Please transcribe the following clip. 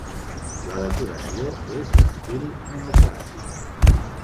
La decoració és d'estil neoclàssic.